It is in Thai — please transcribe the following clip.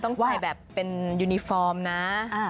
ต้องใส่แบบเป็นยูนิฟอร์มนะ